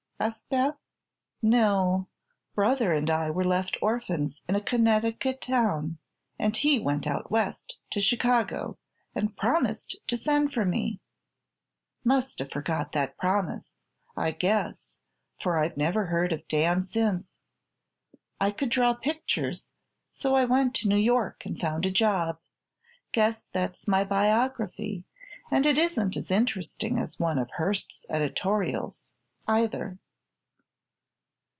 asked Beth. "No. Brother and I were left orphans in a Connecticut town, and he went out West, to Chicago, and promised to send for me. Must have forgot that promise, I guess, for I've never heard of Dan since. I could draw pictures, so I went to New York and found a job. Guess that's my biography, and it isn't as interesting as one of Hearst's editorials, either."